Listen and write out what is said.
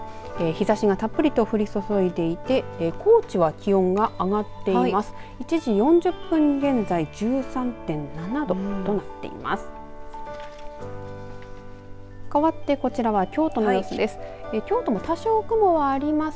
日ざしがたっぷりと降り注いでいて高知は気温が上がっています。